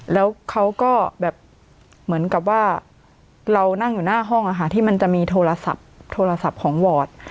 แล้วเขาก็แบบเหมือนกับว่าเรานั่งอยู่หน้าห้องที่มันจะมีโทรศัพท์โทรศัพท์ของวอร์ด